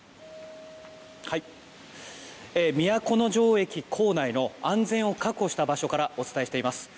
都城駅構内の安全を確保した場所からお伝えしています。